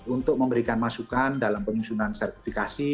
untuk memberikan masukan dalam penyusunan sertifikasi